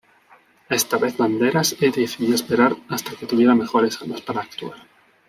Esta vez Banderas decidió esperar hasta que tuviera mejores armas para actuar.